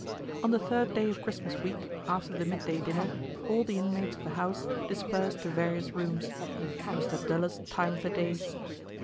On the third day of Christmas week, after the midday dinner, all the inmates of the house dispersed to various rooms. It was the dullest time of the day.